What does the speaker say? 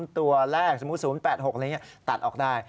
ตัวแรกสมมุติ๐๘๖อะไรอย่างนี้ตัดออกได้